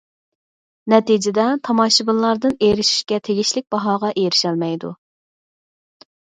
نەتىجىدە تاماشىبىنلاردىن ئېرىشىشكە تېگىشلىك باھاغا ئېرىشەلمەيدۇ.